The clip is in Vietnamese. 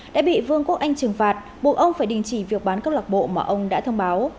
đã bị vương quốc anh trừng phạt buộc ông phải đình chỉ việc bán câu lạc bộ mà ông đã thông báo